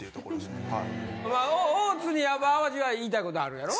大津にやっぱ淡路は言いたいことあるんやろ？